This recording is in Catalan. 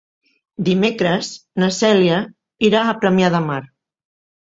Dimecres na Cèlia irà a Premià de Mar.